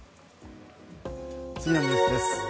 次のニュースです。